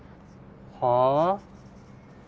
はあ？